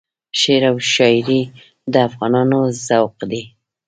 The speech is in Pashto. شعر او شایري د افغانانو ذوق دی.